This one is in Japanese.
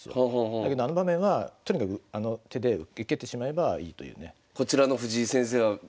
だけどあの場面はとにかくあの手で受けてしまえばいいというね。